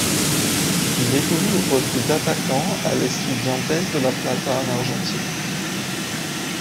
Il évolue au poste d'attaquant à l'Estudiantes de la Plata en Argentine.